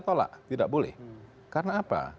tolak tidak boleh karena apa